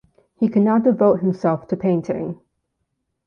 He can now devote himself to painting.